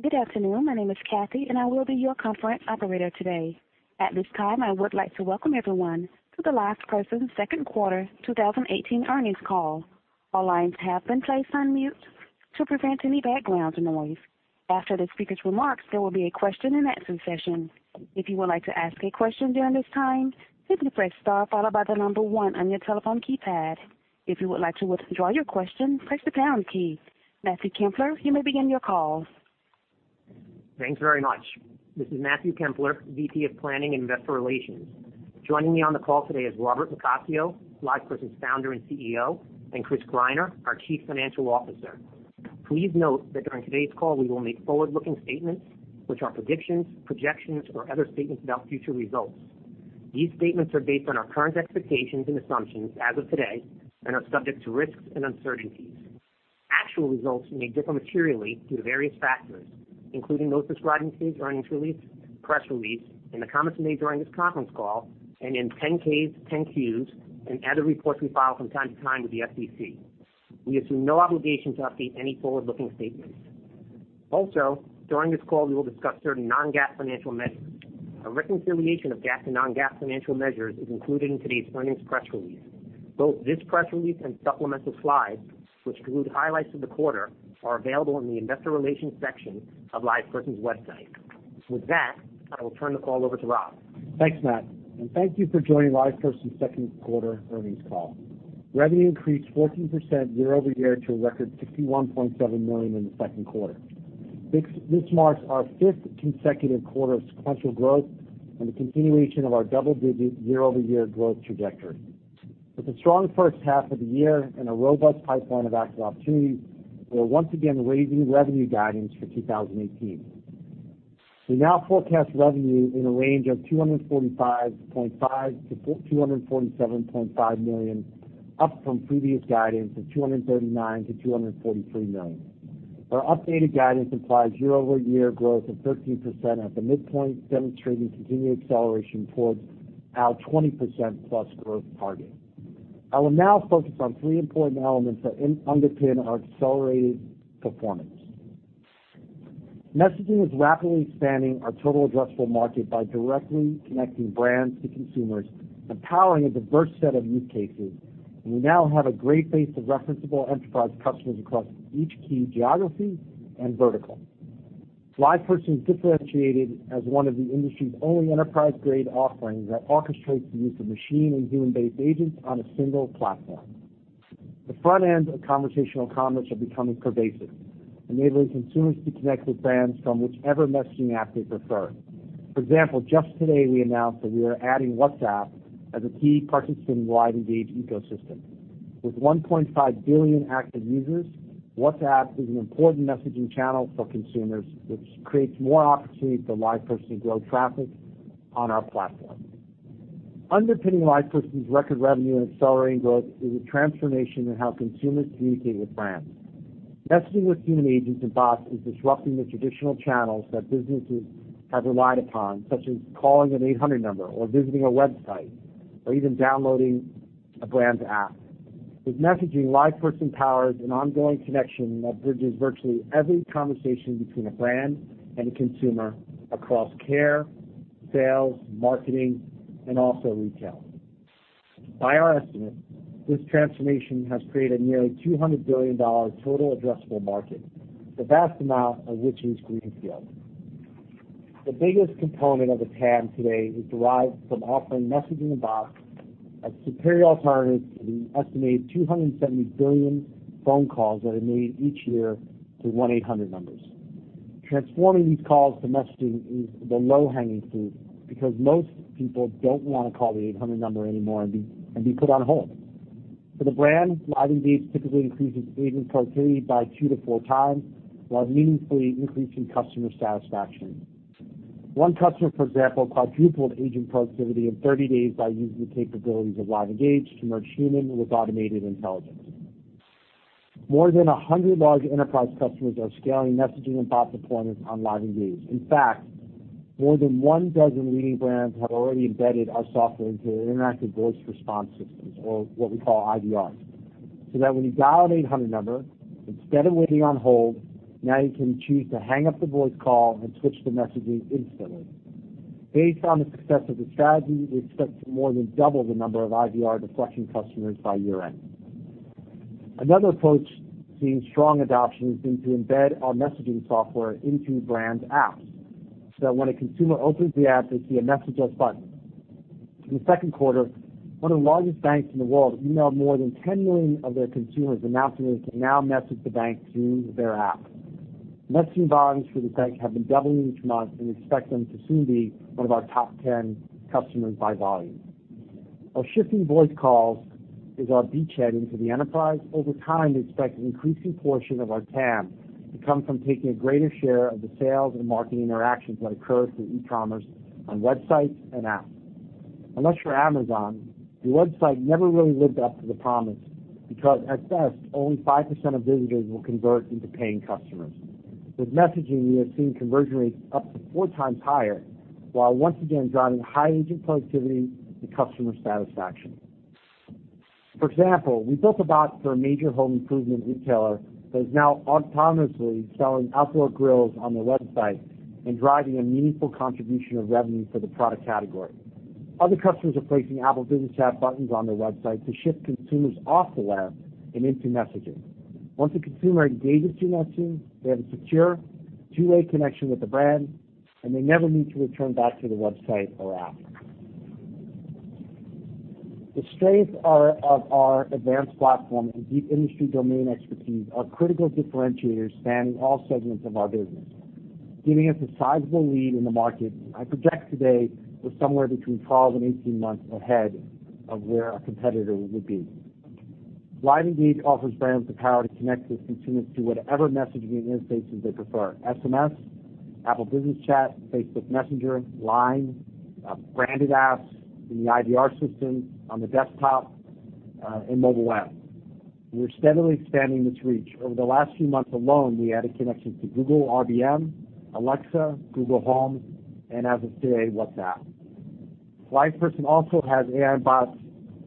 Good afternoon. My name is Kathy, and I will be your conference operator today. At this time, I would like to welcome everyone to the LivePerson Second Quarter 2018 earnings call. All lines have been placed on mute to prevent any background noise. After the speakers' remarks, there will be a question-and-answer session. If you would like to ask a question during this time, simply press star followed by the number one on your telephone keypad. If you would like to withdraw your question, press the pound key. Matthew Kempler, you may begin your call. Thanks very much. This is Matthew Kempler, VP of Planning and Investor Relations. Joining me on the call today is Robert LoCascio, LivePerson's founder and CEO, and Chris Greiner, our Chief Financial Officer. Please note that during today's call, we will make forward-looking statements, which are predictions, projections, or other statements about future results. These statements are based on our current expectations and assumptions as of today and are subject to risks and uncertainties. Actual results may differ materially due to various factors, including those described in today's earnings release, press release, in the comments made during this conference call, and in 10-Ks, 10-Qs, and other reports we file from time to time with the SEC. We assume no obligation to update any forward-looking statements. Also, during this call, we will discuss certain non-GAAP financial measures. A reconciliation of GAAP to non-GAAP financial measures is included in today's earnings press release. Both this press release and supplemental slides, which include highlights of the quarter, are available in the investor relations section of LivePerson's website. With that, I will turn the call over to Rob. Thanks, Matt, and thank you for joining LivePerson's second quarter earnings call. Revenue increased 14% year-over-year to a record $61.7 million in the second quarter. This marks our fifth consecutive quarter of sequential growth and the continuation of our double-digit year-over-year growth trajectory. With a strong first half of the year and a robust pipeline of active opportunities, we're once again raising revenue guidance for 2018. We now forecast revenue in a range of $245.5 million-$247.5 million, up from previous guidance of $239 million-$243 million. Our updated guidance implies year-over-year growth of 13% at the midpoint, demonstrating continued acceleration towards our 20%+ growth target. I will now focus on three important elements that underpin our accelerated performance. Messaging is rapidly expanding our total addressable market by directly connecting brands to consumers and powering a diverse set of use cases. We now have a great base of referenceable enterprise customers across each key geography and vertical. LivePerson is differentiated as one of the industry's only enterprise-grade offerings that orchestrates the use of machine and human-based agents on a single platform. The front end of conversational commerce are becoming pervasive, enabling consumers to connect with brands from whichever messaging app they prefer. Just today we announced that we are adding WhatsApp as a key participant in LiveEngage ecosystem. With 1.5 billion active users, WhatsApp is an important messaging channel for consumers, which creates more opportunity for LivePerson to grow traffic on our platform. Underpinning LivePerson's record revenue and accelerating growth is a transformation in how consumers communicate with brands. Messaging with human agents and bots is disrupting the traditional channels that businesses have relied upon, such as calling an 800 number or visiting a website or even downloading a brand's app. With messaging, LivePerson powers an ongoing connection that bridges virtually every conversation between a brand and a consumer across care, sales, marketing, and also retail. By our estimate, this transformation has created nearly $200 billion total addressable market, the vast amount of which is greenfield. The biggest component of the TAM today is derived from offering messaging and bots as superior alternatives to the estimated 270 billion phone calls that are made each year to one 800 numbers. Transforming these calls to messaging is the low-hanging fruit because most people don't want to call the 800 number anymore and be put on hold. For the brand, LiveEngage typically increases agent productivity by two to four times while meaningfully increasing customer satisfaction. One customer, for example, quadrupled agent productivity in 30 days by using the capabilities of LiveEngage to merge human with automated intelligence. More than 100 large enterprise customers are scaling messaging and bot deployments on LiveEngage. In fact, more than one dozen leading brands have already embedded our software into their interactive voice response systems, or what we call IVRs, so that when you dial an 800 number, instead of waiting on hold, now you can choose to hang up the voice call and switch to messaging instantly. Based on the success of the strategy, we expect to more than double the number of IVR deflection customers by year-end. Another approach seeing strong adoption has been to embed our messaging software into brands' apps, so that when a consumer opens the app, they see a Message Us button. In the second quarter, one of the largest banks in the world emailed more than 10 million of their consumers announcing they can now message the bank through their app. Messaging volumes for the bank have been doubling each month. We expect them to soon be one of our top 10 customers by volume. While shifting voice calls is our beachhead into the enterprise, over time, we expect an increasing portion of our TAM to come from taking a greater share of the sales and marketing interactions that occur through e-commerce on websites and apps. Unless you're Amazon, the website never really lived up to the promise because at best, only 5% of visitors will convert into paying customers. With messaging, we have seen conversion rates up to four times higher, while once again driving high agent productivity and customer satisfaction. For example, we built a bot for a major home improvement retailer that is now autonomously selling outdoor grills on their website and driving a meaningful contribution of revenue for the product category. Other customers are placing Apple Business Chat buttons on their website to shift consumers off the web and into messaging. Once a consumer engages through messaging, they have a secure, two-way connection with the brand, and they never need to return back to the website or app. The strength of our advanced platform and deep industry domain expertise are critical differentiators spanning all segments of our business, giving us a sizable lead in the market. I project today we're somewhere between 12 and 18 months ahead of where a competitor would be. LiveEngage offers brands the power to connect with consumers through whatever messaging interfaces they prefer, SMS, Apple Business Chat, Facebook Messenger, LINE, branded apps, in the IVR system, on the desktop, and mobile apps. We are steadily expanding this reach. Over the last few months alone, we added connections to Google RBM, Alexa, Google Home, and as of today, WhatsApp. LivePerson also has AI and bots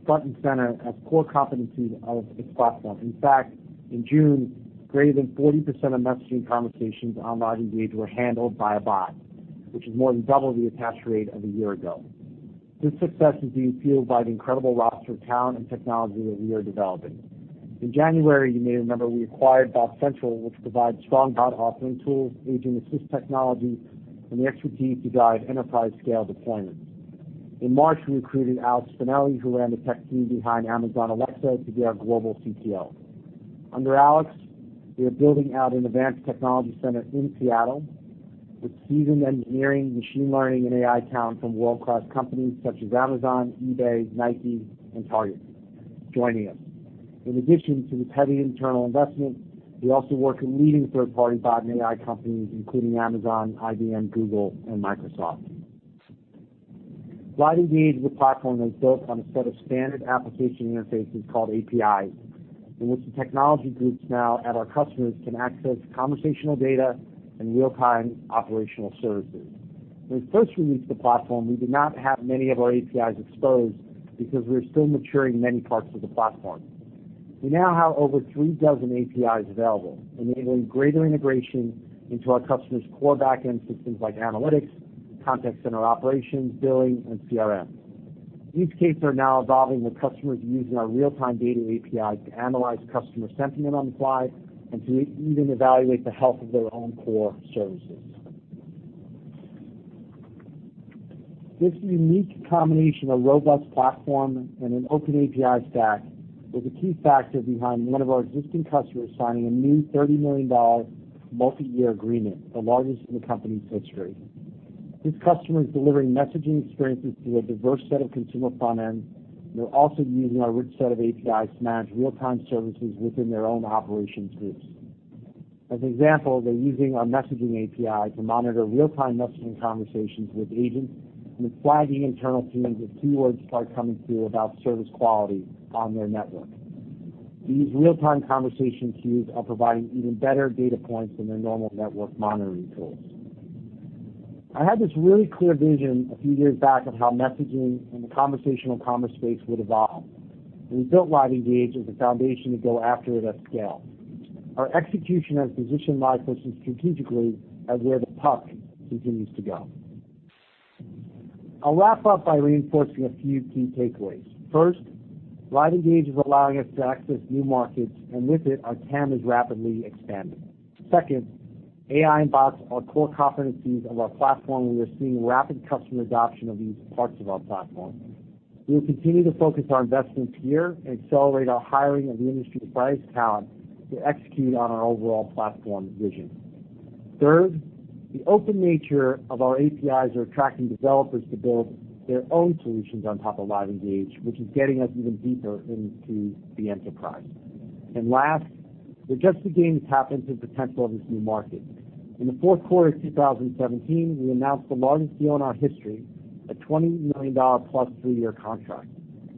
front and center as core competencies of its platform. In fact, in June, greater than 40% of messaging conversations on LiveEngage were handled by a bot, which is more than double the attach rate of a year ago. This success is being fueled by the incredible roster of talent and technology that we are developing. In January, you may remember we acquired BotCentral, which provides strong bot authoring tools, agent assist technology, and the expertise to guide enterprise-scale deployments. In March, we recruited Alex Fanelli, who ran the tech team behind Amazon Alexa, to be our global CTO. Under Alex, we are building out an advanced technology center in Seattle with seasoned engineering, machine learning, and AI talent from world-class companies such as Amazon, eBay, Nike, and Target joining us. In addition to this heavy internal investment, we also work with leading third-party bot and AI companies, including Amazon, IBM, Google, and Microsoft. LiveEngage, the platform, is built on a set of standard application interfaces called APIs, in which the technology groups now at our customers can access conversational data and real-time operational services. When we first released the platform, we did not have many of our APIs exposed because we were still maturing many parts of the platform. We now have over three dozen APIs available, enabling greater integration into our customers' core backend systems like analytics, contact center operations, billing, and CRM. Use cases are now evolving, with customers using our real-time data API to analyze customer sentiment on the fly and to even evaluate the health of their own core services. This unique combination of a robust platform and an open API stack was a key factor behind one of our existing customers signing a new $30 million multi-year agreement, the largest in the company's history. This customer is delivering messaging experiences through a diverse set of consumer front ends. They're also using our rich set of APIs to manage real-time services within their own operations groups. As an example, they're using our messaging API to monitor real-time messaging conversations with agents and flagging internal teams if keywords start coming through about service quality on their network. These real-time conversation cues are providing even better data points than their normal network monitoring tools. I had this really clear vision a few years back of how messaging and the conversational commerce space would evolve, and we built LiveEngage as a foundation to go after it at scale. Our execution has positioned LivePerson strategically as where the puck continues to go. I'll wrap up by reinforcing a few key takeaways. First, LiveEngage is allowing us to access new markets. With it, our TAM is rapidly expanding. Second, AI and bots are core competencies of our platform, and we are seeing rapid customer adoption of these parts of our platform. We will continue to focus our investments here and accelerate our hiring of industry's brightest talent to execute on our overall platform vision. Third, the open nature of our APIs are attracting developers to build their own solutions on top of LiveEngage, which is getting us even deeper into the enterprise. Last, we're just beginning to tap into the potential of this new market. In the fourth quarter of 2017, we announced the largest deal in our history, a $20 million-plus, three-year contract.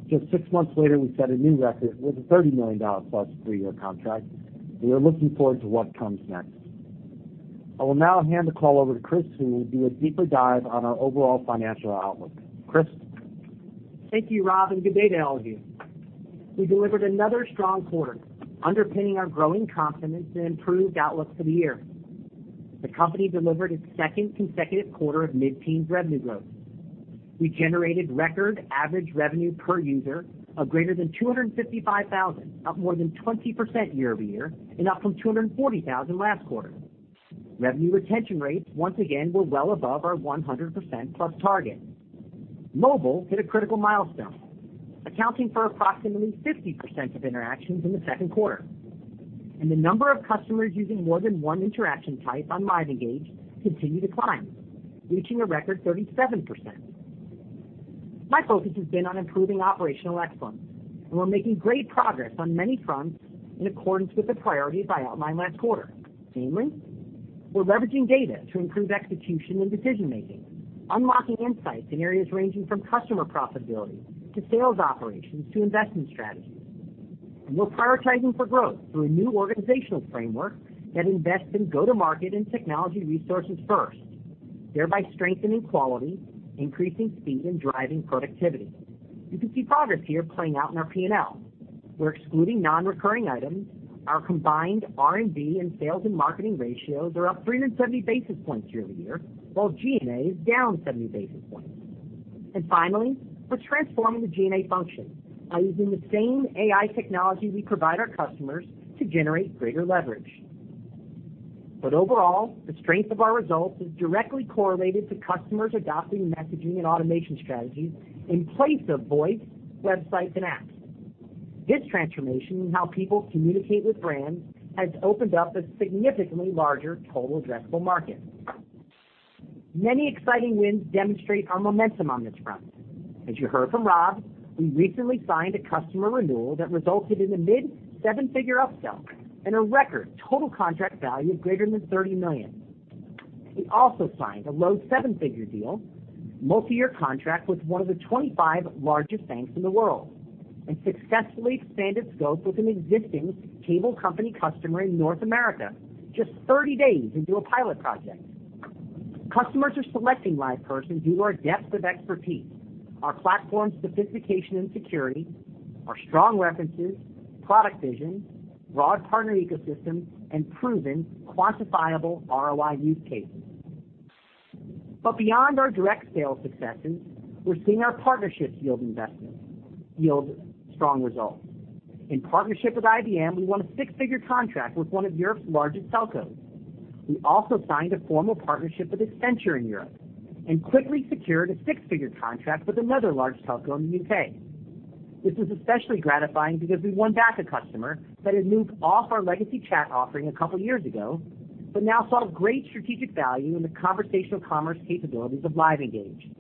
Just six months later, we set a new record with a $30 million-plus, three-year contract. We are looking forward to what comes next. I will now hand the call over to Chris, who will do a deeper dive on our overall financial outlook. Chris? Thank you, Rob. Good day to all of you. We delivered another strong quarter, underpinning our growing confidence and improved outlook for the year. The company delivered its second consecutive quarter of mid-teens revenue growth. We generated record average revenue per user of greater than 255,000, up more than 20% year-over-year, and up from 240,000 last quarter. Revenue retention rates, once again, were well above our 100%-plus target. Mobile hit a critical milestone, accounting for approximately 50% of interactions in the second quarter. The number of customers using more than one interaction type on LiveEngage continue to climb, reaching a record 37%. My focus has been on improving operational excellence, and we're making great progress on many fronts in accordance with the priorities I outlined last quarter. Namely, we're leveraging data to improve execution and decision-making, unlocking insights in areas ranging from customer profitability to sales operations to investment strategies. We're prioritizing for growth through a new organizational framework that invests in go-to-market and technology resources first, thereby strengthening quality, increasing speed, and driving productivity. You can see progress here playing out in our P&L. We're excluding non-recurring items. Our combined R&D and sales and marketing ratios are up 370 basis points year-over-year, while G&A is down 70 basis points. Finally, we're transforming the G&A function by using the same AI technology we provide our customers to generate greater leverage. Overall, the strength of our results is directly correlated to customers adopting messaging and automation strategies in place of voice, websites, and apps. This transformation in how people communicate with brands has opened up a significantly larger total addressable market. Many exciting wins demonstrate our momentum on this front. As you heard from Rob, we recently signed a customer renewal that resulted in a mid-seven-figure upsell and a record total contract value greater than $30 million. We also signed a low seven-figure deal, multi-year contract with one of the 25 largest banks in the world, and successfully expanded scope with an existing cable company customer in North America just 30 days into a pilot project. Customers are selecting LivePerson due to our depth of expertise, our platform's sophistication and security, our strong references, product vision, broad partner ecosystem, and proven quantifiable ROI use cases. Beyond our direct sales successes, we're seeing our partnerships yield strong results. In partnership with IBM, we won a six-figure contract with one of Europe's largest telcos. We also signed a formal partnership with Accenture in Europe and quickly secured a six-figure contract with another large telco in the U.K. This was especially gratifying because we won back a customer that had moved off our legacy chat offering a couple of years ago but now saw great strategic value in the conversational commerce capabilities of LiveEngage.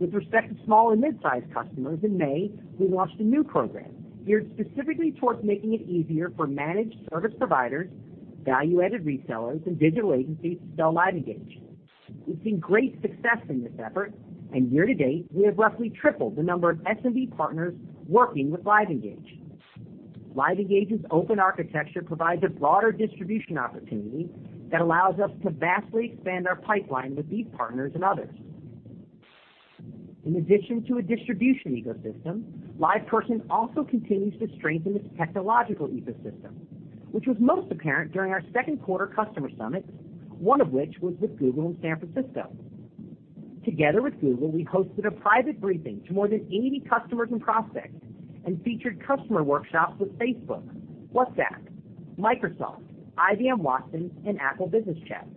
With respect to small and mid-sized customers, in May, we launched a new program geared specifically towards making it easier for managed service providers, value-added resellers, and digital agencies to sell LiveEngage. We've seen great success in this effort, and year to date, we have roughly tripled the number of SMB partners working with LiveEngage. LiveEngage's open architecture provides a broader distribution opportunity that allows us to vastly expand our pipeline with these partners and others. In addition to a distribution ecosystem, LivePerson also continues to strengthen its technological ecosystem, which was most apparent during our second-quarter customer summits, one of which was with Google in San Francisco. Together with Google, we hosted a private briefing to more than 80 customers and prospects and featured customer workshops with Facebook, WhatsApp, Microsoft, IBM Watson, and Apple Business Chat.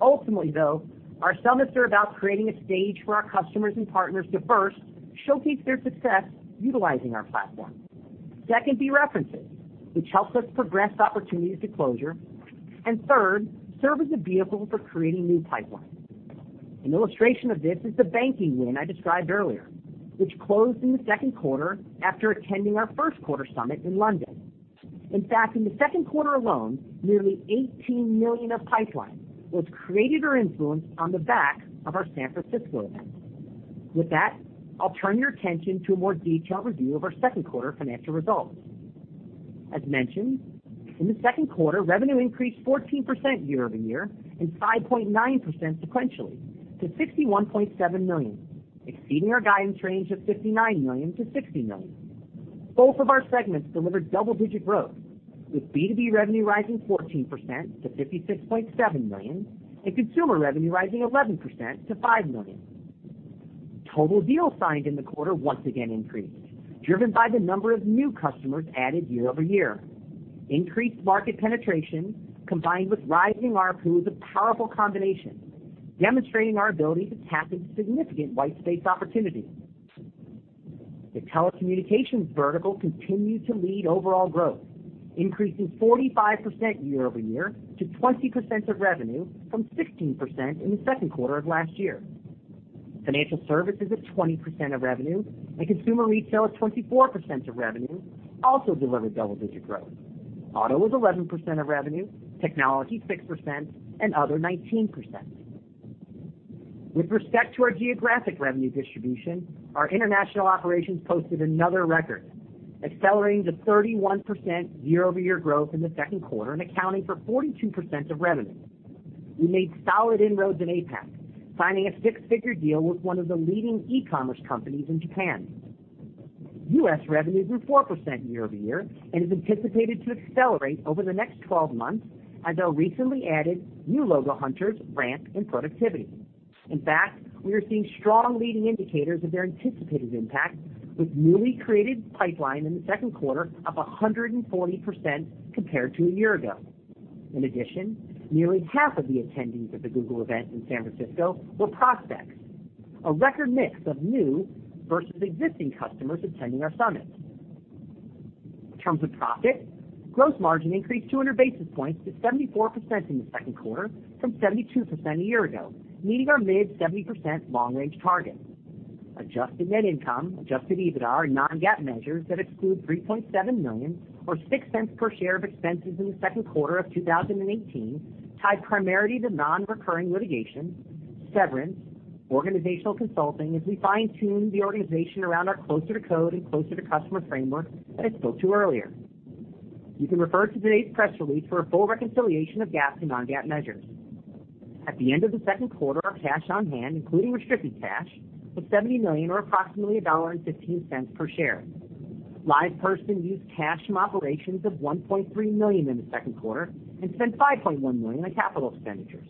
Ultimately, though, our summits are about creating a stage for our customers and partners to first showcase their success utilizing our platform. Second be references, which helps us progress opportunities to closure. Third, serve as a vehicle for creating new pipelines. An illustration of this is the banking win I described earlier, which closed in the second quarter after attending our first-quarter summit in London. In fact, in the second quarter alone, nearly $18 million of pipeline was created or influenced on the back of our San Francisco event. With that, I'll turn your attention to a more detailed review of our second-quarter financial results. As mentioned, in the second quarter, revenue increased 14% year-over-year and 5.9% sequentially to $61.7 million, exceeding our guidance range of $59 million-$60 million. Both of our segments delivered double-digit growth, with B2B revenue rising 14% to $56.7 million and consumer revenue rising 11% to $5 million. Total deals signed in the quarter once again increased, driven by the number of new customers added year-over-year. Increased market penetration combined with rising ARPU is a powerful combination, demonstrating our ability to tap into significant white space opportunities. The telecommunications vertical continued to lead overall growth, increasing 45% year-over-year to 20% of revenue from 16% in the second quarter of last year. Financial services of 20% of revenue and consumer retail of 24% of revenue also delivered double-digit growth. Auto was 11% of revenue, technology 6%, and other 19%. With respect to our geographic revenue distribution, our international operations posted another record, accelerating to 31% year-over-year growth in the second quarter and accounting for 42% of revenue. We made solid inroads in APAC, signing a six-figure deal with one of the leading e-commerce companies in Japan. U.S. revenues were 4% year-over-year and is anticipated to accelerate over the next 12 months as our recently added new logo hunters ramp in productivity. In fact, we are seeing strong leading indicators of their anticipated impact, with newly created pipeline in the second quarter up 140% compared to a year ago. In addition, nearly half of the attendees at the Google event in San Francisco were prospects, a record mix of new versus existing customers attending our summits. In terms of profit, gross margin increased 200 basis points to 74% in the second quarter from 72% a year ago, meeting our mid-70% long-range target. Adjusted net income, adjusted EBITDA, are non-GAAP measures that exclude $3.7 million or $0.06 per share of expenses in the second quarter of 2018, tied primarily to non-recurring litigation, severance, organizational consulting as we fine-tune the organization around our closer to code and closer to customer framework that I spoke to earlier. You can refer to today's press release for a full reconciliation of GAAP and non-GAAP measures. At the end of the second quarter, our cash on hand, including restricted cash, was $70 million or approximately $1.15 per share. LivePerson used cash from operations of $1.3 million in the second quarter and spent $5.1 million on capital expenditures.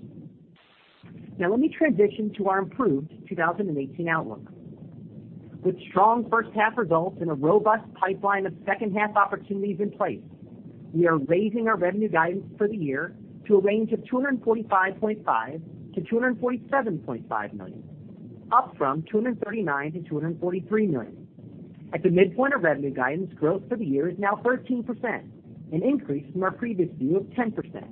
Now let me transition to our improved 2018 outlook. With strong first half results and a robust pipeline of second half opportunities in place, we are raising our revenue guidance for the year to a range of $245.5 million-$247.5 million, up from $239 million-$243 million. At the midpoint of revenue guidance, growth for the year is now 13%, an increase from our previous view of 10%.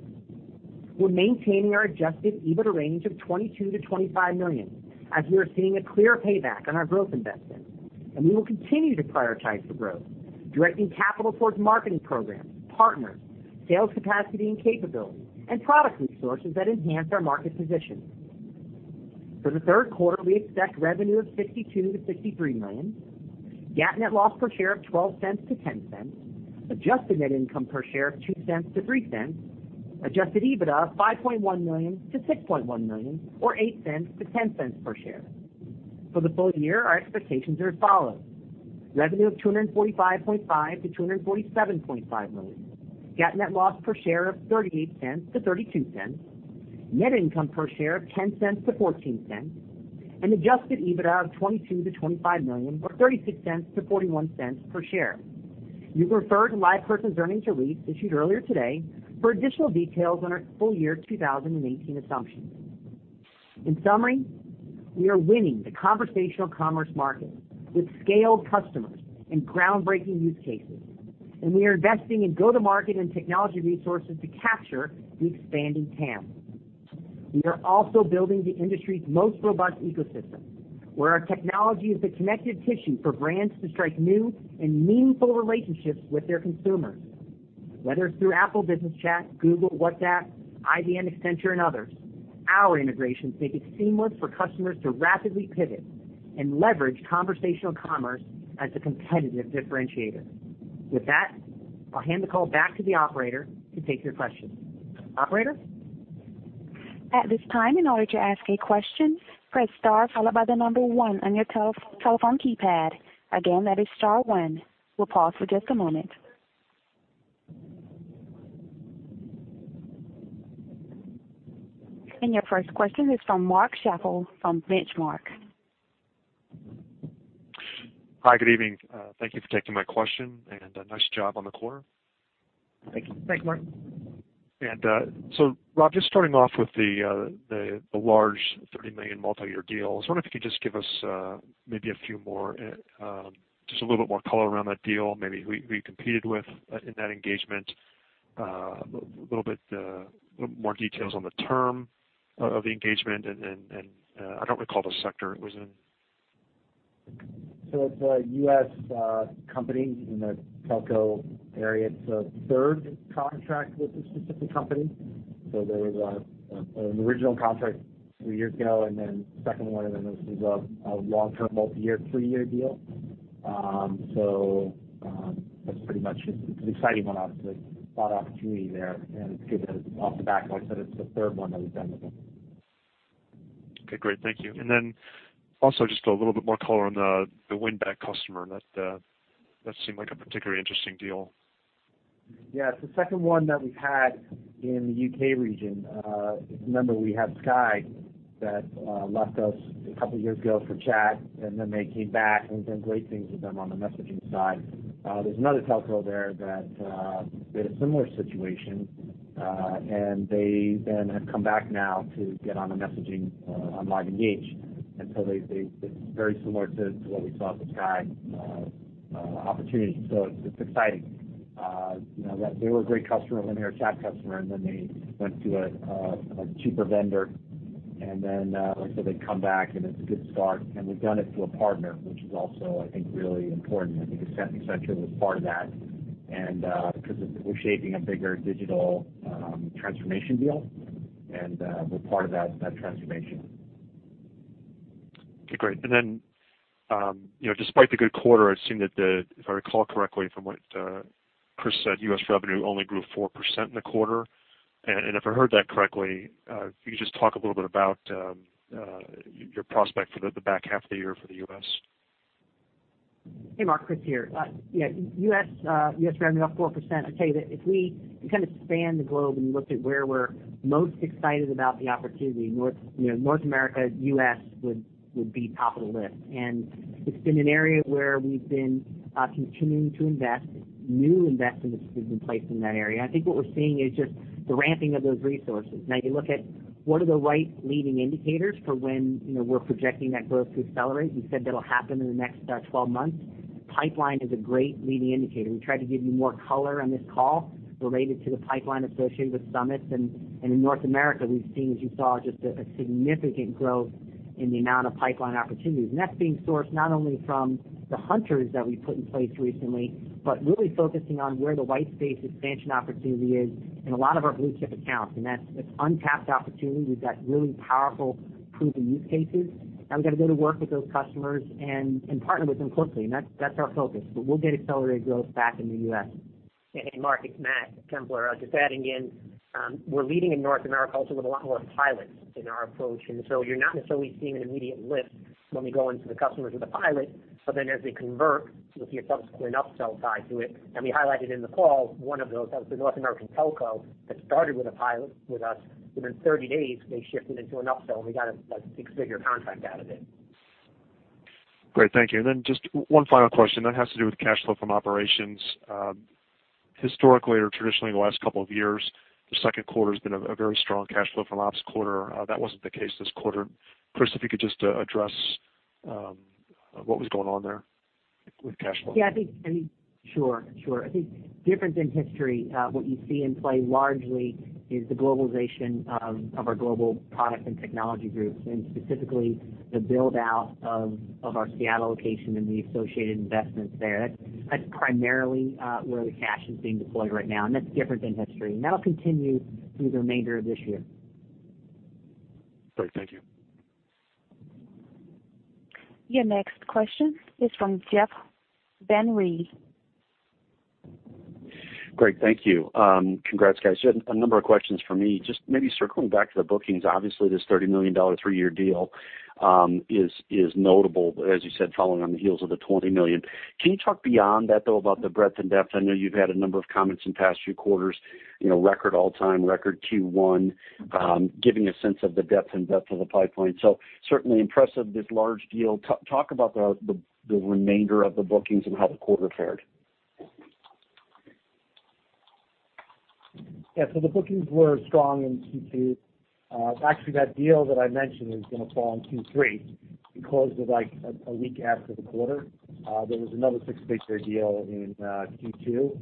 We're maintaining our adjusted EBITDA range of $22 million-$25 million, as we are seeing a clear payback on our growth investments. We will continue to prioritize the growth, directing capital towards marketing programs, partners, sales capacity and capability, and product resources that enhance our market position. For the third quarter, we expect revenue of $52 million-$53 million, GAAP net loss per share of $0.12-$0.10, adjusted net income per share of $0.02-$0.03, adjusted EBITDA of $5.1 million-$6.1 million or $0.08-$0.10 per share. For the full year, our expectations are as follows. Revenue of $245.5 million-$247.5 million, GAAP net loss per share of $0.38-$0.32, net income per share of $0.10-$0.14, and adjusted EBITDA of $22 million-$25 million or $0.36-$0.41 per share. You can refer to LivePerson's earnings release issued earlier today for additional details on our full year 2018 assumptions. In summary, we are winning the conversational commerce market with scaled customers and groundbreaking use cases. We are investing in go-to-market and technology resources to capture the expanding TAM. We are also building the industry's most robust ecosystem, where our technology is the connective tissue for brands to strike new and meaningful relationships with their consumers. Whether it's through Apple Business Chat, Google, WhatsApp, IBM, Accenture, and others, our integrations make it seamless for customers to rapidly pivot and leverage conversational commerce as a competitive differentiator. With that, I'll hand the call back to the operator to take your questions. Operator? At this time, in order to ask a question, press star followed by the number 1 on your telephone keypad. Again, that is star one. We'll pause for just a moment. Your first question is from Mark Schappel from Benchmark. Hi. Good evening. Thank you for taking my question. Nice job on the quarter. Th anks, Mark. Rob, just starting off with the large $30 million multi-year deal. I was wondering if you could just give us maybe a little bit more color around that deal, maybe who you competed with in that engagement, a little bit more details on the term of the engagement. I don't recall the sector it was in. It's a U.S. company in the telco area. It's a third contract with this specific company. There was an original contract three years ago, then second one, then this is a long-term, multi-year, three-year deal. That's pretty much it. It's an exciting one, obviously. A lot of opportunity there. It's good that it's off the back, like I said, it's the third one that we've done with them. Okay, great. Thank you. Also, just a little bit more color on the win-back customer. That seemed like a particularly interesting deal. Yeah, it's the second one that we've had in the U.K. region. Remember, we had Sky that left us a couple of years ago for chat. They came back. We've done great things with them on the messaging side. There's another telco there that they had a similar situation. They have come back now to get on the messaging on LiveEngage. It's very similar to what we saw with Sky opportunity. It's exciting. They were a great customer when they were a chat customer. They went to a cheaper vendor. Like I said, they've come back. It's a good start. We've done it through a partner, which is also, I think, really important. I think Accenture was part of that because we're shaping a bigger digital transformation deal. We're part of that transformation. Okay, great. Despite the good quarter, it seemed that the, if I recall correctly from what Chris said, U.S. revenue only grew 4% in the quarter. If I heard that correctly, if you could just talk a little bit about your prospect for the back half of the year for the U.S. Hey, Mark. Chris here. U.S. revenue up 4%. I'll tell you that if we kind of spanned the globe and looked at where we're most excited about the opportunity, North America, U.S. would be top of the list. It's been an area where we've been continuing to invest. New investments have been placed in that area. I think what we're seeing is just the ramping of those resources. You look at what are the right leading indicators for when we're projecting that growth to accelerate. We said that'll happen in the next 12 months. Pipeline is a great leading indicator. We tried to give you more color on this call related to the pipeline associated with Summits. In North America, we've seen, as you saw, just a significant growth in the amount of pipeline opportunities. That's being sourced not only from the hunters that we put in place recently, but really focusing on where the white space expansion opportunity is in a lot of our blue-chip accounts. That's untapped opportunity. We've got really powerful proven use cases. We got to go to work with those customers and partner with them closely. That's our focus. We'll get accelerated growth back in the U.S. Hey, Mark, it's Matt Templer. Just adding in, we're leading in North America also with a lot more pilots in our approach. So you're not necessarily seeing an immediate lift when we go into the customers with a pilot, as they convert, you'll see a subsequent upsell side to it. We highlighted in the call, one of those, that was the North American telco that started with a pilot with us. Within 30 days, they shifted into an upsell, we got a six-figure contract out of it. Great, thank you. Just one final question that has to do with cash flow from operations. Historically or traditionally, in the last couple of years, the second quarter has been a very strong cash flow from ops quarter. That wasn't the case this quarter. Chris, if you could just address what was going on there with cash flow. Yeah. Sure. I think different than history, what you see in play largely is the globalization of our global product and technology groups, specifically the build-out of our Seattle location and the associated investments there. That's primarily where the cash is being deployed right now, and that's different than history. That'll continue through the remainder of this year. Great. Thank you. Your next question is from Jeff Van Rhee. Great. Thank you. Congrats, guys. Maybe circling back to the bookings, obviously, this $30 million three-year deal is notable, as you said, following on the heels of the $20 million. Can you talk beyond that, though, about the breadth and depth? I know you've had a number of comments in the past few quarters, record all-time, record Q1, giving a sense of the depth and breadth of the pipeline. Certainly impressive, this large deal. Talk about the remainder of the bookings and how the quarter fared. Yeah. The bookings were strong in Q2. Actually, that deal that I mentioned is going to fall in Q3. It closed a week after the quarter. There was another six-figure deal in Q2.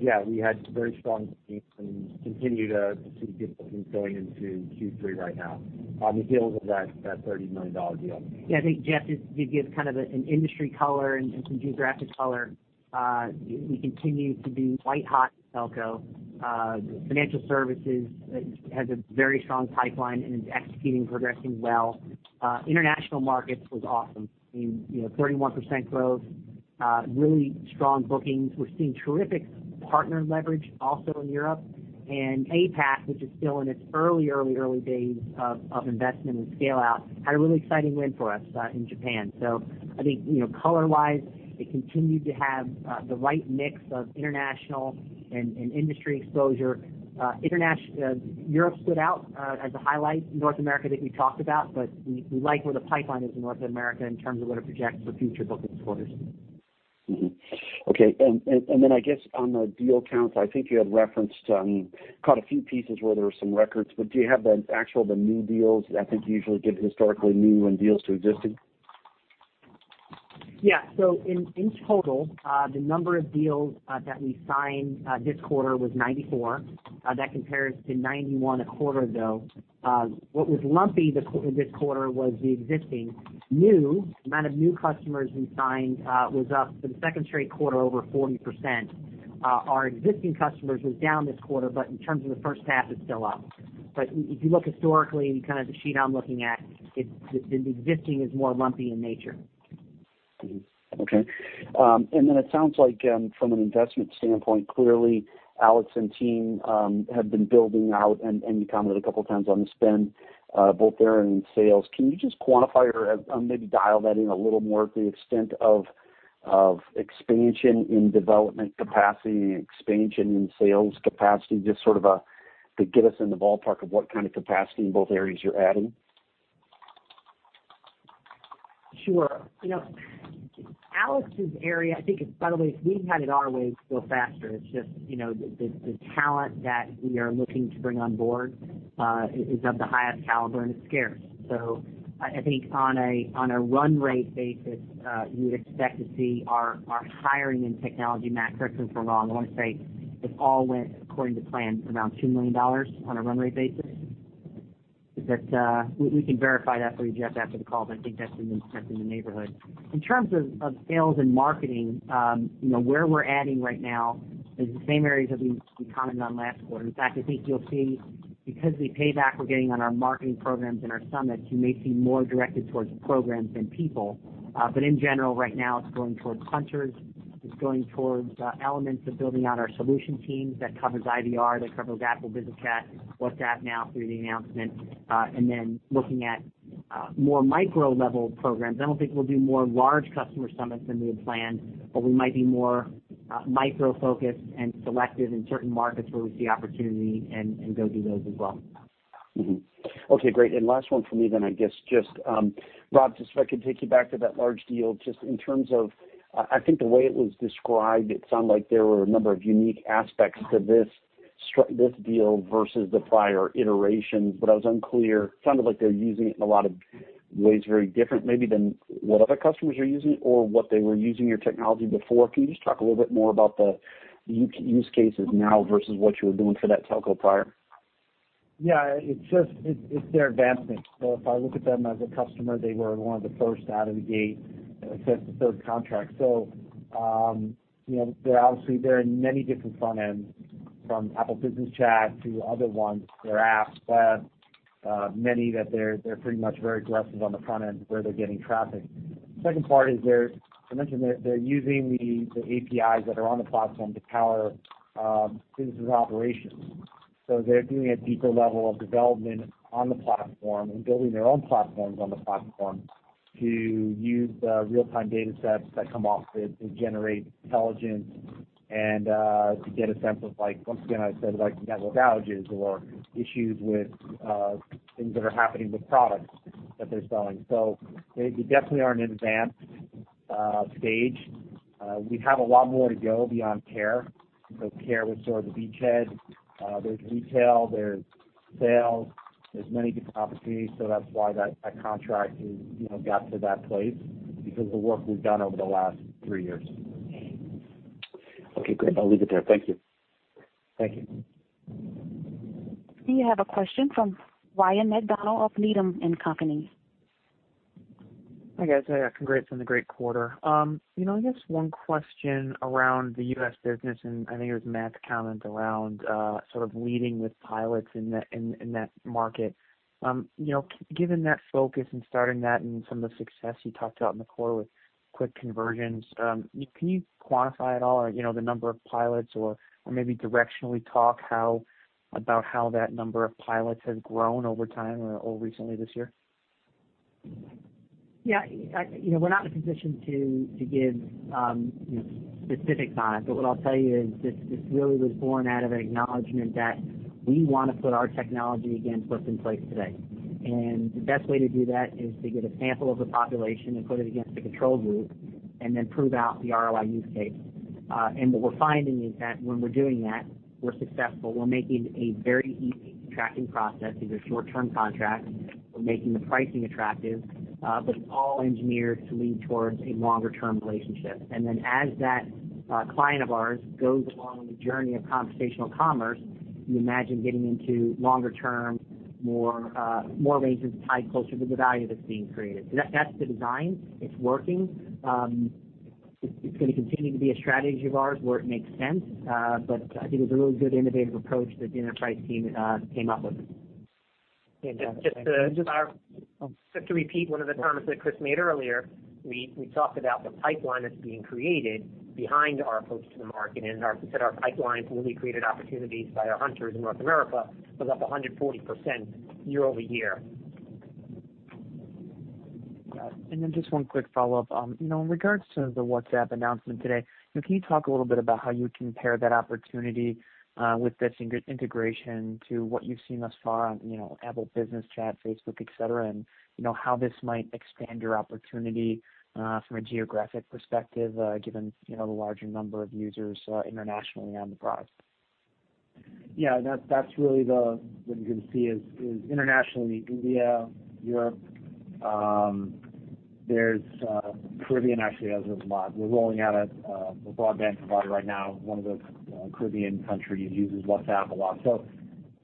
Yeah, we had very strong bookings and continue to see good bookings going into Q3 right now. On the heels of that $30 million deal. Yeah, I think, Jeff, just to give kind of an industry color and some geographic color, we continue to do quite hot in telco. Financial services has a very strong pipeline and is executing, progressing well. International markets was awesome. 31% growth, really strong bookings. We're seeing terrific partner leverage also in Europe. APAC, which is still in its early days of investment and scale-out, had a really exciting win for us in Japan. I think, color-wise, it continued to have the right mix of international and industry exposure. Europe stood out as a highlight. North America, I think we talked about, we like where the pipeline is in North America in terms of what it projects for future bookings quarters. Mm-hmm. Okay. I guess on the deal count, I think you had caught a few pieces where there were some records, do you have the actual, the new deals? I think you usually give historically new and deals to existing. Yeah. In total, the number of deals that we signed this quarter was 94. That compares to 91 a quarter ago. What was lumpy this quarter was the existing. Amount of new customers we signed was up for the second straight quarter, over 40%. Our existing customers was down this quarter, but in terms of the first half, it's still up. If you look historically, kind of the sheet I'm looking at, the existing is more lumpy in nature. Mm-hmm. Okay. It sounds like from an investment standpoint, clearly, Alex and team have been building out, and you commented a couple of times on the spend, both there and in sales. Can you just quantify or maybe dial that in a little more at the extent of expansion in development capacity, expansion in sales capacity? Just sort of to get us in the ballpark of what kind of capacity in both areas you're adding. Sure. Alex's area, I think if we had it our way, it'd go faster. It's just the talent that we are looking to bring on board is of the highest caliber, and it's scarce. On a run rate basis, you would expect to see our hiring in technology, Matt, correct me if I'm wrong, I want to say, if all went according to plan, around $2 million on a run rate basis. We can verify that for you, Jeff, after the call, I think that's in the neighborhood. In terms of sales and marketing, where we're adding right now is the same areas that we commented on last quarter. I think you'll see, because of the payback we're getting on our marketing programs and our summits, you may see more directed towards programs than people. In general, right now, it's going towards hunters. It's going towards elements of building out our solution teams. That covers IVR, that covers Apple Business Chat, WhatsApp now through the announcement. Looking at more micro-level programs. I don't think we'll do more large customer summits than we had planned, we might be more micro-focused and selective in certain markets where we see opportunity and go do those as well. Okay, great. Last one from me, Robert, if I could take you back to that large deal, in terms of. I think the way it was described, it sounded like there were a number of unique aspects to this deal versus the prior iterations, but I was unclear. It sounded like they're using it in a lot of ways, very different maybe than what other customers are using or what they were using your technology before. Can you talk a little bit more about the use cases now versus what you were doing for that telco prior? Yeah. It's their advancement. If I look at them as a customer, they were one of the first out of the gate, since the third contract. They're obviously in many different front ends from Apple Business Chat to other ones, their apps, web, many that they're pretty much very aggressive on the front end where they're getting traffic. Second part is, I mentioned they're using the APIs that are on the platform to power business operations. They're doing a deeper level of development on the platform and building their own platforms on the platform to use the real-time data sets that come off it to generate intelligence and to get a sense of, once again, I said, like network outages or issues with things that are happening with products that they're selling. We definitely are in an advanced stage. We have a lot more to go beyond care. Care was sort of the beachhead. There's retail, there's sales, there's many different opportunities. That's why that contract got to that place because of the work we've done over the last three years. Okay, great. I'll leave it there. Thank you. Thank you. You have a question from Ryan MacDonald of Needham & Company. Hi, guys. Congrats on the great quarter. I guess one question around the U.S. business, I think it was Matt's comment around sort of leading with pilots in that market. Given that focus and starting that some of the success you talked about in the quarter with quick conversions, can you quantify at all, the number of pilots or maybe directionally talk about how that number of pilots has grown over time or recently this year? Yeah. We're not in a position to give specific guidance. What I'll tell you is this really was born out of an acknowledgement that we want to put our technology against what's in place today. The best way to do that is to get a sample of the population and put it against a control group then prove out the ROI use case. What we're finding is that when we're doing that, we're successful. We're making a very easy tracking process. These are short-term contracts. We're making the pricing attractive. It's all engineered to lead towards a longer-term relationship. Then as that client of ours goes along the journey of conversational commerce, you imagine getting into longer term, more raises tied closer to the value that's being created. That's the design. It's working. It's going to continue to be a strategy of ours where it makes sense. I think it's a really good innovative approach that the enterprise team came up with. Just to repeat one of the comments that Chris made earlier, we talked about the pipeline that's being created behind our approach to the market, and we said our pipelines will be created opportunities by our hunters in North America was up 140% year-over-year. Got it. Just one quick follow-up. In regards to the WhatsApp announcement today, can you talk a little bit about how you compare that opportunity with this integration to what you've seen thus far on Apple Business Chat, Facebook, et cetera, and how this might expand your opportunity from a geographic perspective given the larger number of users internationally on the product? Yeah, that's really what you're going to see is internationally, India, Europe. Caribbean actually has it a lot. We're rolling out a broadband provider right now in one of those Caribbean countries, uses WhatsApp a lot.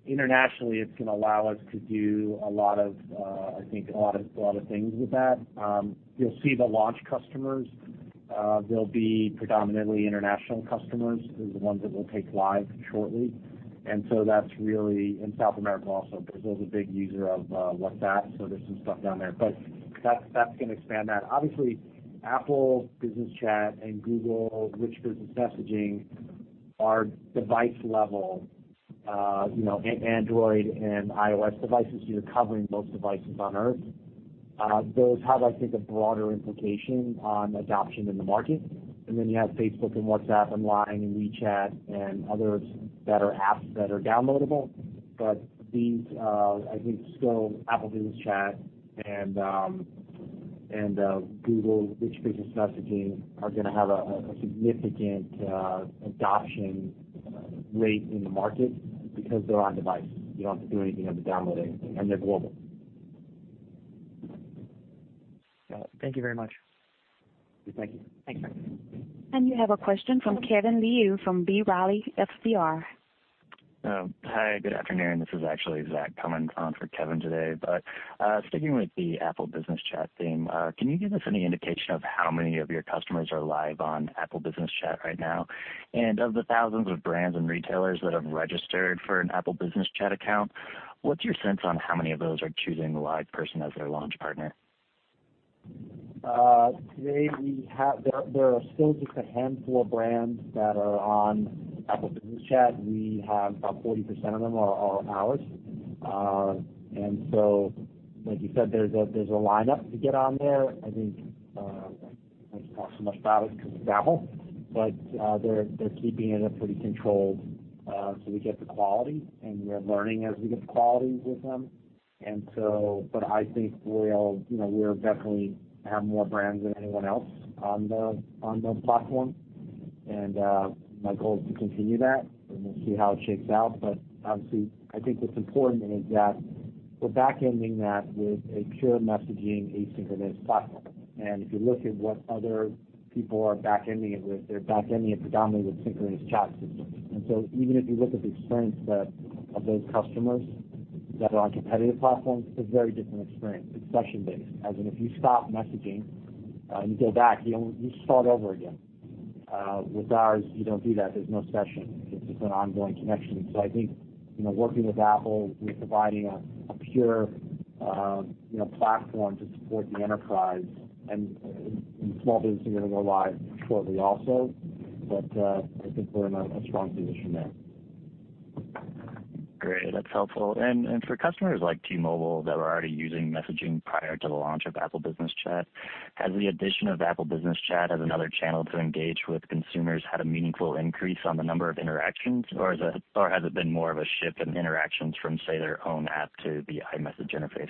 Internationally, it's going to allow us to do a lot of things with that. You'll see the launch customers. They'll be predominantly international customers. They're the ones that we'll take live shortly. That's really in South America also. Brazil's a big user of WhatsApp, so there's some stuff down there. That's going to expand that. Obviously, Apple Business Chat and Google RCS Business Messaging are device-level, Android and iOS devices. You're covering most devices on Earth. Those have, I think, a broader implication on adoption in the market. You have Facebook and WhatsApp and LINE and WeChat and others that are apps that are downloadable. I think still Apple Business Chat and Google Rich Business Messaging are going to have a significant adoption rate in the market because they're on device. You don't have to do anything other than download anything, and they're global. Got it. Thank you very much. Thank you. Thanks. You have a question from Kevin Liu from B. Riley FBR. Hi, good afternoon. This is actually Zach coming on for Kevin today. Sticking with the Apple Business Chat theme, can you give us any indication of how many of your customers are live on Apple Business Chat right now? Of the thousands of brands and retailers that have registered for an Apple Business Chat account, what's your sense on how many of those are choosing LivePerson as their launch partner? Today, there are still just a handful of brands that are on Apple Business Chat. We have about 40% of them are ours. Like you said, there's a lineup to get on there. I think I can't talk so much about it because it's Apple, but they're keeping it pretty controlled, so we get the quality, and we're learning as we get the quality with them. I think we definitely have more brands than anyone else on the platform, and my goal is to continue that, and we'll see how it shakes out. Obviously, I think what's important is that we're back-ending that with a pure messaging asynchronous platform. If you look at what other people are back-ending it with, they're back-ending it predominantly with synchronous chat systems. Even if you look at the experience of those customers that are on competitive platforms, it's a very different experience. It's session-based. As in, if you stop messaging and you go back, you start over again. With ours, you don't do that. There's no session. It's just an ongoing connection. I think, working with Apple and providing a pure platform to support the enterprise, and small business are going to go live shortly also. I think we're in a strong position there. Great. That's helpful. For customers like T-Mobile that were already using messaging prior to the launch of Apple Business Chat, has the addition of Apple Business Chat as another channel to engage with consumers had a meaningful increase on the number of interactions, or has it been more of a shift in interactions from, say, their own app to the iMessage interface?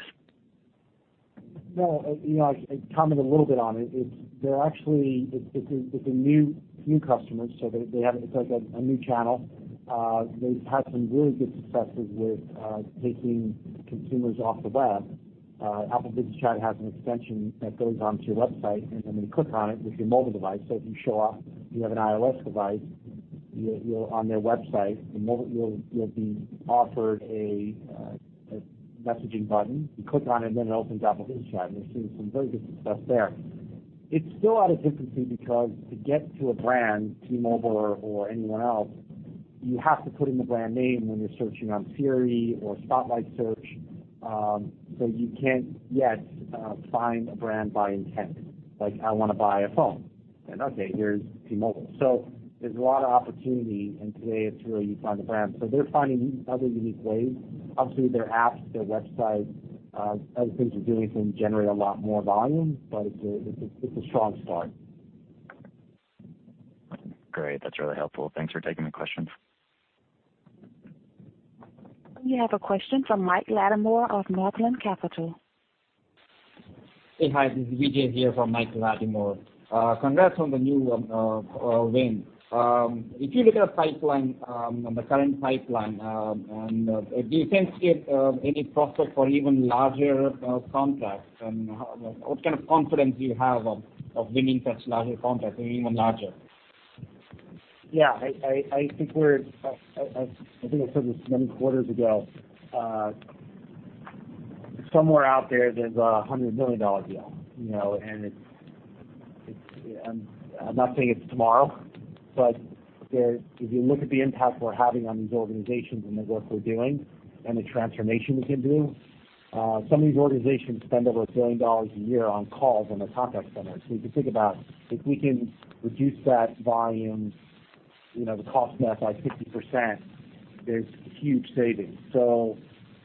No. I commented a little bit on it. They're a new customer, it's like a new channel. They've had some really good successes with taking consumers off the website. Apple Business Chat has an extension that goes onto your website. You click on it with your mobile device. If you show up, you have an iOS device, you're on their website, you'll be offered a messaging button. You click on it opens Apple Business Chat. They're seeing some very good success there. It's still at its infancy because to get to a brand, T-Mobile or anyone else, you have to put in the brand name when you're searching on Siri or Spotlight Search. You can't yet find a brand by intent. Like, I want to buy a phone, okay, here's T-Mobile. There's a lot of opportunity, today, it's really, you find a brand. They're finding other unique ways. Obviously, their apps, their websites, other things they're doing can generate a lot more volume, it's a strong start. Great. That's really helpful. Thanks for taking the question. We have a question from Mike Latimore of Northland Capital. Hey, hi. This is Vijay here from Michael Latimore. Congrats on the new win. If you look at the current pipeline, do you think it's any prospect for even larger contracts, and what kind of confidence do you have of winning such larger contracts or even larger? I think I said this many quarters ago. Somewhere out there's a $100 million deal. I'm not saying it's tomorrow, but if you look at the impact we're having on these organizations and the work we're doing and the transformation we can do, some of these organizations spend over a billion dollars a year on calls in their contact center. You can think about if we can reduce that volume, the cost math by 50%, there's huge savings.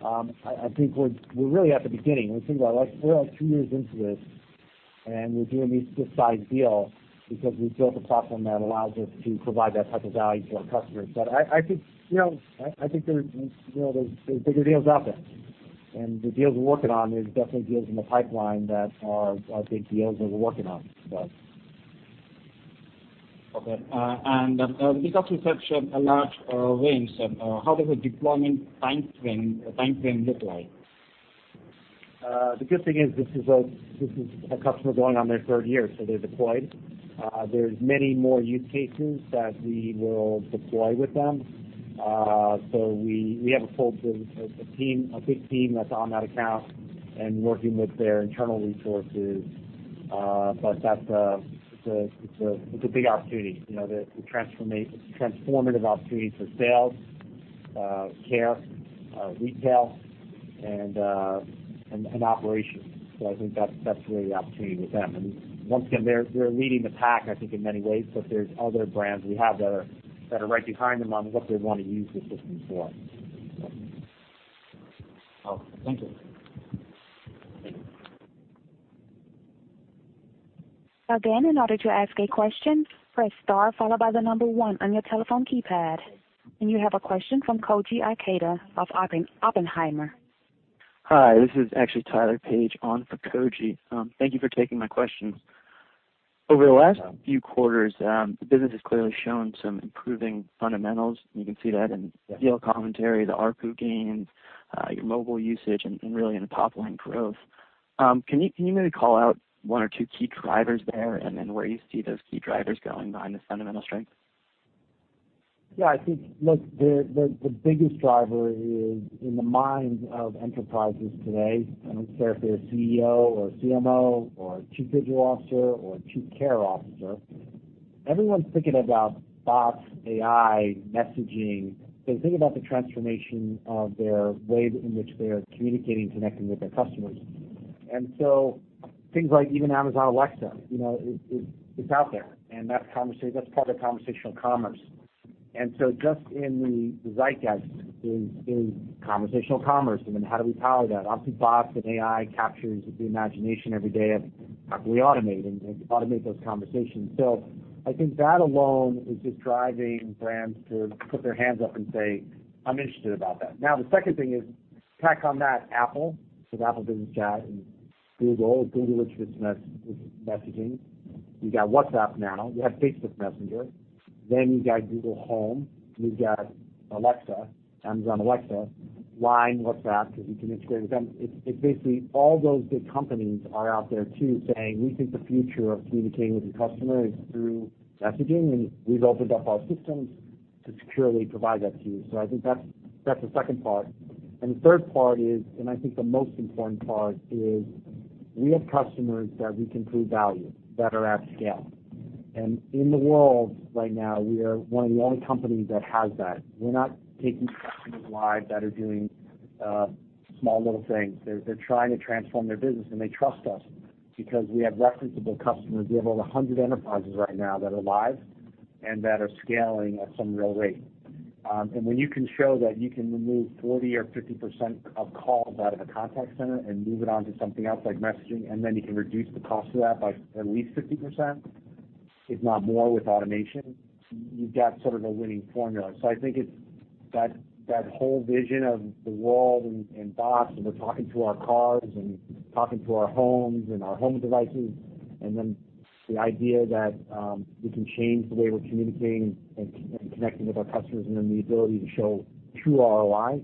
I think we're really at the beginning. When you think about it, we're two years into this, and we're doing these this size deal because we've built a platform that allows us to provide that type of value to our customers. I think there's bigger deals out there, and the deals we're working on, there's definitely deals in the pipeline that are big deals that we're working on. Okay. Because you have such a large range, how does the deployment timeframe look like? The good thing is this is a customer going on their third year, they're deployed. There's many more use cases that we will deploy with them. We have a good team that's on that account and working with their internal resources. It's a big opportunity. It's a transformative opportunity for sales, care, retail, and operations. I think that's really the opportunity with them. Once again, they're leading the pack, I think, in many ways, but there's other brands we have that are right behind them on what they want to use the system for. Okay. Thank you. Again, in order to ask a question, press star followed by the number 1 on your telephone keypad. You have a question from Koji Ikeda of Oppenheimer. Hi, this is actually Tyler Page on for Koji. Thank you for taking my questions. Over the last few quarters, the business has clearly shown some improving fundamentals. You can see that in deal commentary, the ARPU gains, your mobile usage, and really in the top-line growth. Can you maybe call out one or two key drivers there and then where you see those key drivers going behind the fundamental strength? Yeah. I think, look, the biggest driver is in the minds of enterprises today. I don't care if they're a CEO or CMO or chief digital officer or chief care officer. Everyone's thinking about bots, AI, messaging. They're thinking about the transformation of their way in which they are communicating and connecting with their customers. Things like even Amazon Alexa, it's out there, and that's part of conversational commerce. Just in the zeitgeist is conversational commerce, and then how do we power that? Obviously, bots and AI captures the imagination every day of how can we automate those conversations. I think that alone is just driving brands to put their hands up and say, "I'm interested about that." Now, the second thing is tack on that Apple, because Apple Business Chat and Google Rich Business Messaging. You got WhatsApp now. You have Facebook Messenger. You've got Google Home. You've got Alexa, Amazon Alexa. LINE works with us because we can integrate with them. It's basically all those big companies are out there too, saying, "We think the future of communicating with your customer is through messaging, and we've opened up our systems." To securely provide that to you. I think that's the second part. The third part is, we have customers that we can prove value that are at scale. In the world right now, we are one of the only companies that has that. We're not taking customers live that are doing small little things. They're trying to transform their business, and they trust us because we have referenceable customers. We have over 100 enterprises right now that are live and that are scaling at some real rate. When you can show that you can remove 40% or 50% of calls out of a contact center and move it onto something else like messaging, and then you can reduce the cost of that by at least 50%, if not more, with automation, you've got sort of a winning formula. I think it's that whole vision of the world and bots, and we're talking to our cars and talking to our homes and our home devices, and then the idea that we can change the way we're communicating and connecting with our customers, and then the ability to show true ROI,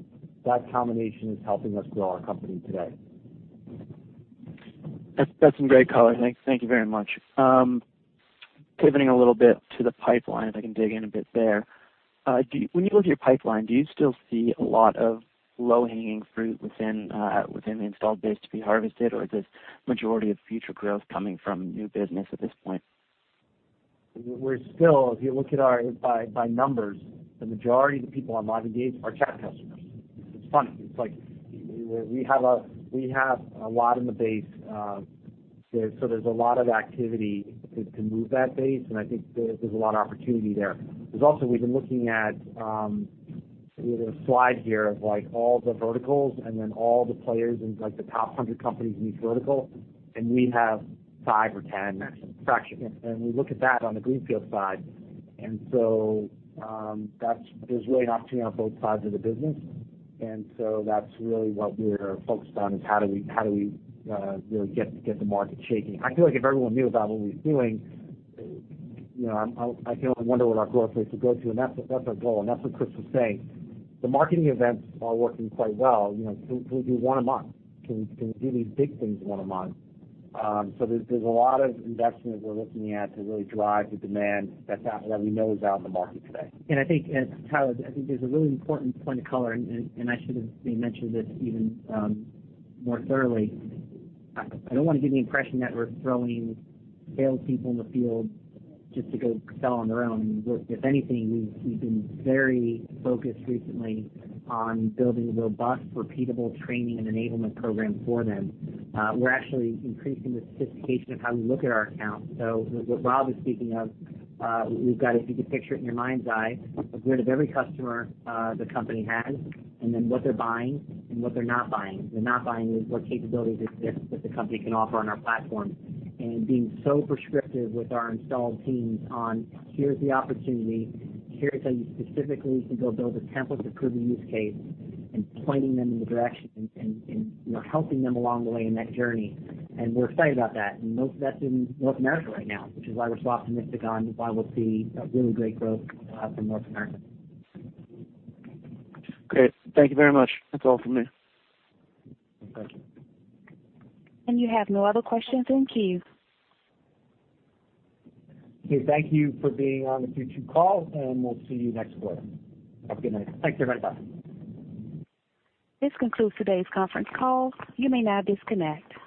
that combination is helping us grow our company today. That's some great color. Thank you very much. Pivoting a little bit to the pipeline, if I can dig in a bit there. When you look at your pipeline, do you still see a lot of low-hanging fruit within the installed base to be harvested, or is this majority of future growth coming from new business at this point? We're still, if you look at our, by numbers, the majority of the people on LiveEngage are chat customers. It's funny. It's like we have a lot in the base, so there's a lot of activity to move that base, and I think there's a lot of opportunity there. There's also, we've been looking at, we have a slide here of all the verticals and then all the players in the top 100 companies in each vertical, and we have five or 10- Maximum. -fraction. We look at that on the greenfield side. There's really an opportunity on both sides of the business. That's really what we're focused on is how do we really get the market shaking. I feel like if everyone knew about what we were doing, I can only wonder what our growth rates would go to, and that's our goal, and that's what Chris was saying. The marketing events are working quite well. Can we do one a month? Can we do these big things one a month? There's a lot of investment that we're looking at to really drive the demand that we know is out in the market today. I think, and Tyler, I think there's a really important point of color, and I should've maybe mentioned this even more thoroughly. I don't want to give the impression that we're throwing salespeople in the field just to go sell on their own. If anything, we've been very focused recently on building a robust, repeatable training and enablement program for them. We're actually increasing the sophistication of how we look at our accounts. What Rob is speaking of, we've got, if you could picture it in your mind's eye, a grid of every customer the company has, and then what they're buying and what they're not buying. They're not buying is what capabilities exist that the company can offer on our platform. Being so prescriptive with our install teams on, here's the opportunity, here's how you specifically can go build a template to prove a use case, and pointing them in the direction and helping them along the way in that journey. We're excited about that. Most of that's in North America right now, which is why we're so optimistic on why we'll see really great growth from North America. Great. Thank you very much. That's all from me. Thank you. You have no other questions in queue. Okay. Thank you for being on the Q2 call. We'll see you next quarter. Have a good night. Thanks, everybody. Bye. This concludes today's conference call. You may now disconnect.